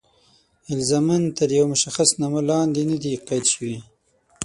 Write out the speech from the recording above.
الزاماً تر یوه مشخص نامه لاندې نه دي قید شوي.